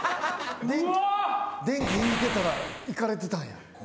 電気引いてたらいかれてたんや。